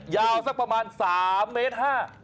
ยาวสักประมาณ๓เมตร๕